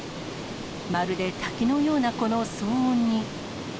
まるで滝のようなこの騒音に。